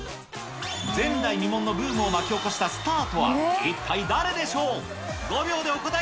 前代未聞のブームを巻き起こしたスターとは、一体誰でしょう？